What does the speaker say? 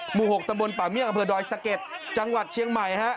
หมู่๖ตำบลป่าเมี่ยงอำเภอดอยสะเก็ดจังหวัดเชียงใหม่ฮะ